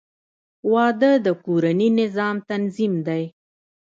• واده د کورني نظام تنظیم دی.